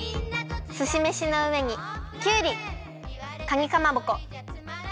すしめしのうえにきゅうりかにかまぼこツナマヨ